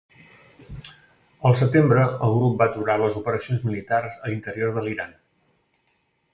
El setembre el grup va aturar les operacions militars a l'interior de l'Iran.